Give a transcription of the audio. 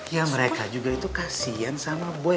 ya mereka juga itu kasian sama boy